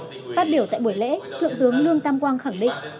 phát biểu tại buổi lễ thượng tướng lương tam quang khẳng định